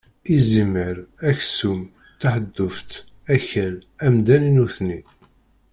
Izimer, aksum, taḥedduft, akal, amdan i nutni.